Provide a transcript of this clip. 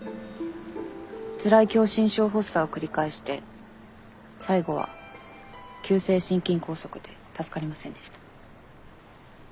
つらい狭心症発作を繰り返して最期は急性心筋梗塞で助かりませんでした。